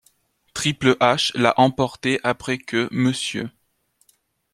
Triple H l'a emporté après que Mr.